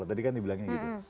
tadi kan dibilangnya gitu